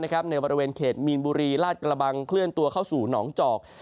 ในบริเวณเขตมีนบุรีลาดกระบังเคลื่อนตัวเข้าสู่หนองจอก